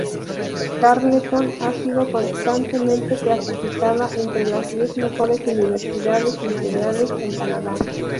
Carleton ha sido constantemente clasificada entre las diez mejores universidades integrales en Canadá.